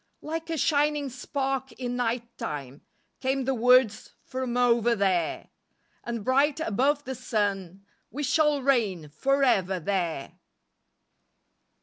Like a shining spark in night time Came the words from over there, "And bright above the sun," "We shall reign forever there."